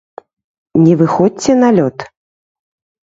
Не выходзьце на лёд!